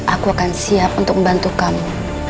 aku akan siap untuk membantu kamu